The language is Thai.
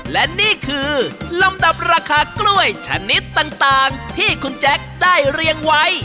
และนี่คือลำดับราคากล้วยชนิดต่างที่คุณแจ๊คได้เรียงไว้